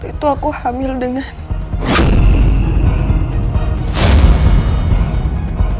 aku udah habis kesabaran sama kamu